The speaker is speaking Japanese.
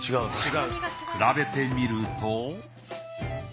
比べてみると。